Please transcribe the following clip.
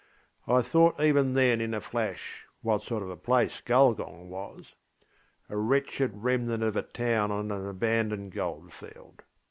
(I thought even then in a flash what sort of a place Gulgong was. A wretched remnant of a town on an abandoned goldfield.